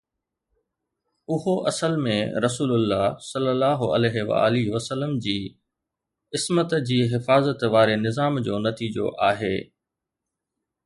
اهو اصل ۾ رسول الله ﷺ جي عصمت جي حفاظت واري نظام جو نتيجو آهي